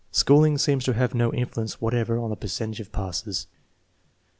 Schooling seems to have no influence whatever on the percentage of passes.